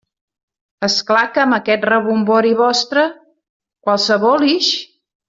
És clar que amb aquest rebombori vostre... qualsevol ix!